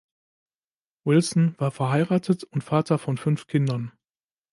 Wilson war verheiratet und Vater von fünf Kindern.